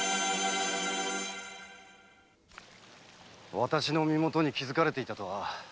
私の身元に気づかれていたとは。